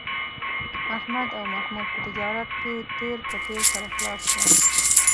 احمد او محمود په تجارت کې تېر په تېر سره خلاص کړل